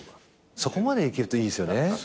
そこまでいけるといいですよね。